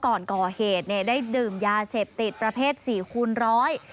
ก่อนก่อเหตุเนี่ยได้ดื่มยาเสพติดประเภทสี่คูณร้อย